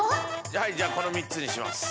はいじゃあこの３つにします。